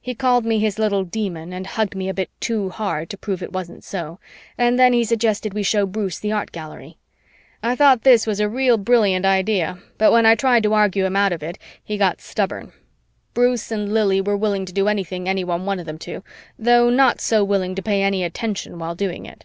He called me his little Demon and hugged me a bit too hard to prove it wasn't so, and then he suggested we show Bruce the Art Gallery. I thought this was a real brilliant idea, but when I tried to argue him out of it, he got stubborn. Bruce and Lili were willing to do anything anyone wanted them to, though not so willing to pay any attention while doing it.